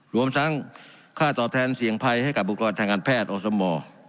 รวมทั้งค่าตอบแทนเสี่ยงภัยให้กับอุปกรณ์ทางการแพทย์อสม